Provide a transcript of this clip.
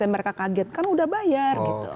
mereka kaget kan udah bayar gitu